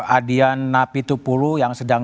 adian napi tupulu yang sedang